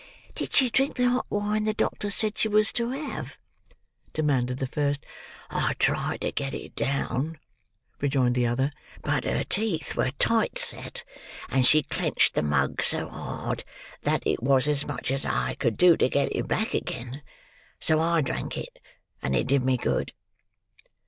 "Did she drink the hot wine the doctor said she was to have?" demanded the first. "I tried to get it down," rejoined the other. "But her teeth were tight set, and she clenched the mug so hard that it was as much as I could do to get it back again. So I drank it; and it did me good!"